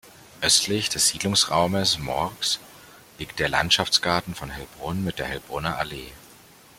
Östlich des Siedlungsraumes Morzg liegt der Landschaftsgarten von Hellbrunn mit der Hellbrunner Allee.